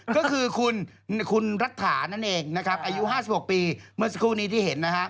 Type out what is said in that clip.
ก็คือคุณรัฐานั่นเองนะครับอายุ๕๖ปีเมื่อสักครู่นี้ที่เห็นนะฮะ